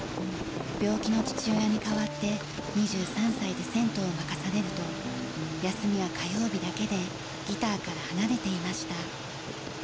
病気の父親に代わって２３歳で銭湯を任されると休みは火曜日だけでギターから離れていました。